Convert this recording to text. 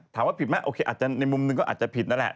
ถามว่าผิดไหมโอเคอาจจะในมุมหนึ่งก็อาจจะผิดนั่นแหละ